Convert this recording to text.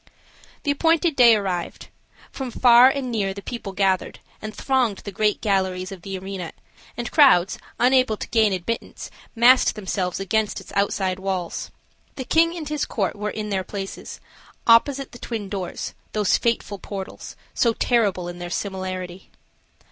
The appointed day arrived. From far and near the people gathered, and thronged the great galleries of the arena, and crowds, unable to gain admittance, massed themselves against its outside walls. The king and his court were in their places, opposite the twin doors, those fateful portals, so terrible in their similarity.